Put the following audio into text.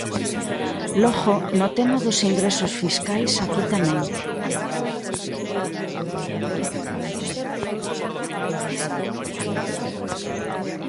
Logo, no tema dos ingresos fiscais, aquí tamén.